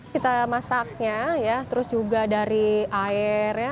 kita masaknya ya terus juga dari airnya